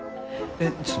えっ？